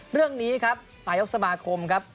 เรื่องนี้ครับนายกสมาคมครับ